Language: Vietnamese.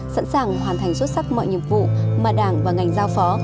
sẵn sàng hoàn thành xuất sắc mọi nhiệm vụ mà đảng và ngành giao phó